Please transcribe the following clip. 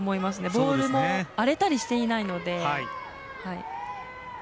ボールも荒れたりしていないので。